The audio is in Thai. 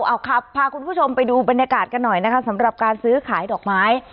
เอาครับพาคุณผู้ชมไปดูบรรยากาศกันหน่อยนะคะสำหรับการซื้อขายดอกไม้